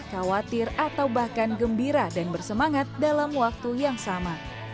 khawatir atau bahkan gembira dan bersemangat dalam waktu yang sama